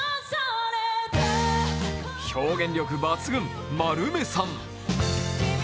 表現力抜群、丸目さん。